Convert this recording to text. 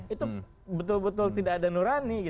itu betul betul tidak ada nurani